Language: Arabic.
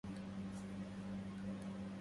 رجاء، ارفع صوتك.